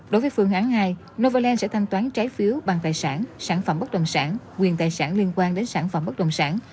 đối với phương án hai novaland sẽ thanh toán trái phiếu bằng tài sản sản phẩm bất động sản quyền tài sản liên quan đến sản phẩm bất đồng sản